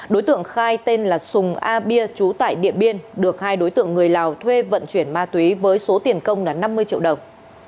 đối tượng khai tên là sùng a bia trú tại điện biên được hai đối tượng người lào thuê vận chuyển ma túy với số tiền công là năm mươi triệu đồng